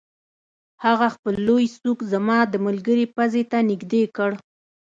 هغه خپل لوی سوک زما د ملګري پوزې ته نږدې کړ